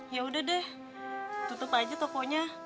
ya udah deh tutup aja tokonya